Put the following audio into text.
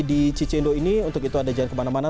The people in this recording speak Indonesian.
di cicindo ini untuk itu anda jangan kemana mana